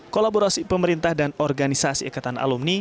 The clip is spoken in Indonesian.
kolaborasi pemerintah dan organisasi ikatan alumni